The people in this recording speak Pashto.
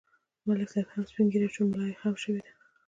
ملک صاحب هم سپین ږیری شو، ملایې خم شوې ده.